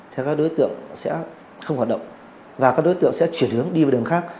thì các đối tượng sẽ không hoạt động và các đối tượng sẽ chuyển hướng đi vào đường khác